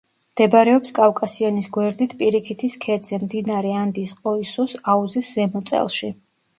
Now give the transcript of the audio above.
მდებარეობს კავკასიონის გვერდით პირიქითის ქედზე, მდინარე ანდის ყოისუს აუზის ზემო წელში.